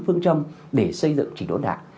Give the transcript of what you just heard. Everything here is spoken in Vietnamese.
phương châm để xây dựng trình thống đảng